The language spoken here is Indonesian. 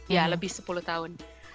ya lebih sepuluh tahun